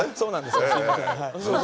すいません。